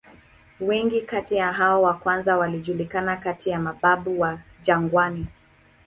Wengi kati ya hao wa kwanza wanajulikana kati ya "mababu wa jangwani".